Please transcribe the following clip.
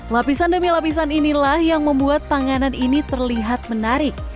lapisan demi lapisan inilah yang membuat tanganan ini terlihat menarik